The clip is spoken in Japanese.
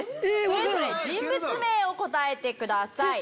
それぞれ人物名を答えてください。